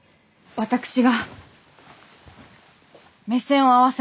私が目線を合わせます。